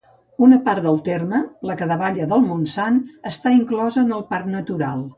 Una part del terme, la que davalla del Montsant, està inclosa en el Parc Natural.